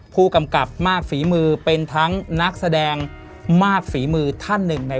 ผู้กำกับมากฝีมือเป็นทั้งนักแสดงมากฝีมือท่านหนึ่งใน